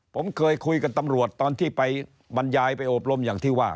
ผมเคยคุยกับตำรวจตอนที่ไปบรรยายไปอบรมอย่างที่ว่า